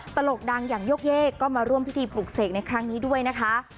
ตลกดังอย่างโยกเยกก็มาร่วมพิธีปลุกเสกในครั้งนี้ด้วยนะคะ